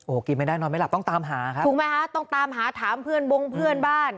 กินไม่ได้นอนไม่หลับต้องตามหาครับถูกไหมคะต้องตามหาถามเพื่อนบงเพื่อนบ้าน